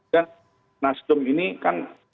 dan nasdum ini kan